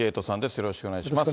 よろしくお願いします。